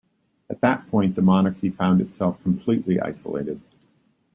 At that point, the monarchy found itself completely isolated.